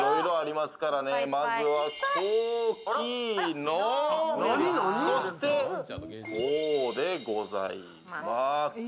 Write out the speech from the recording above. まずは大きいの、そしてこうでございます。